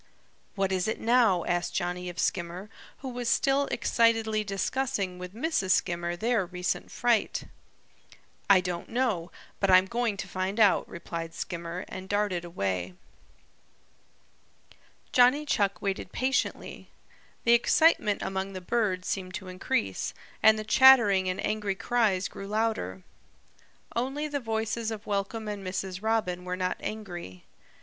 "What is it now?" asked Johnny of Skimmer, who was still excitedly discussing with Mrs. Skimmer their recent fright. "I don't know, but I'm going to find out," replied Skimmer and darted away. Johnny Chuck waited patiently. The excitement among the birds seemed to increase, and the chattering and angry cries grew louder. Only the voices of Welcome and Mrs. Robin were not angry.